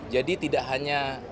jadi tidak hanya